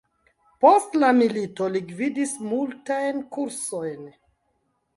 Post la milito li gvidis multajn kursojn.